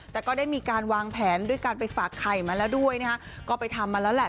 แต่ก็ได้มีการวางแผนด้วยการไปฝากไข่มาแล้วด้วยนะฮะก็ไปทำมาแล้วแหละ